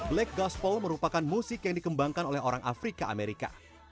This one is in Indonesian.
black gaspol merupakan musik yang dikembangkan oleh orang afrika amerika